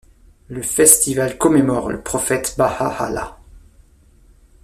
Le festival commémore le prophète Bahāʾ-Allāh.